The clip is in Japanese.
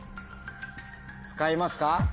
使いますか？